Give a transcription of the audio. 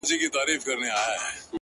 هغه اوس گل كنـدهار مـــاتــه پــرېــږدي”